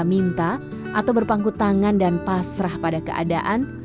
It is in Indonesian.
minta minta atau berpangku tangan dan pasrah pada keadaan